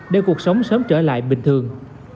để cuộc sống sớm trở lại bình thường